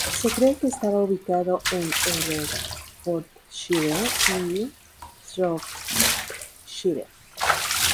Se cree que estaba ubicado en Herefordshire y Shropshire.